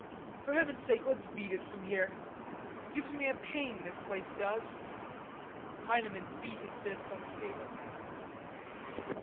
"For Heaven's sake let's beat it from here.... Gives me a pain this place does." Heineman beat his fist on the table.